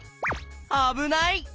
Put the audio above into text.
あぶない！